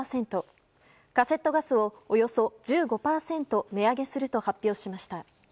カセットガスを、およそ１５％値上げすると発表しました。